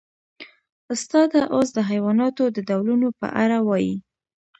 استاده اوس د حیواناتو د ډولونو په اړه ووایئ